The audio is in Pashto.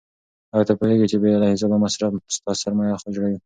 آیا ته پوهېږې چې بې له حسابه مصرف ستا سرمایه خوري؟